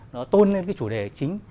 nó tôn lên cái chủ đề chính